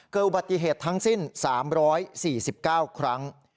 เกิดอุบัติเหตุทั้งสิ้น๓๔๙ครั้ง